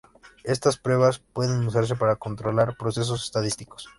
Estas pruebas pueden usarse para controlar procesos estadísticos.